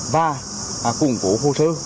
và cụng phố khu sơ